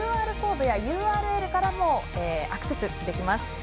ＱＲコードやＵＲＬからもアクセスできます。